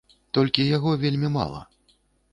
Толькі яго вельмі мала.